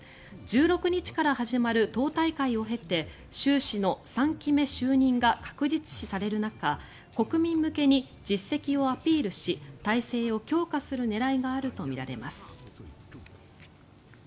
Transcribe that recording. １６日から始まる党大会を経て習氏の３期目就任が確実視される中国民向けに実績をアピールし体制を強化する狙いがあるとみられます。